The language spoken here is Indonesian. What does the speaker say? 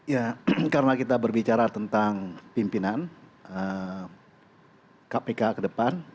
ya karena kita berbicara tentang pimpinan kpk ke depan